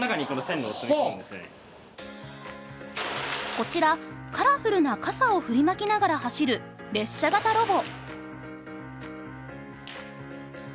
こちらカラフルな傘を振りまきながら走る列車型ロボ。